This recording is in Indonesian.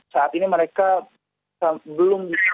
saat ini mereka belum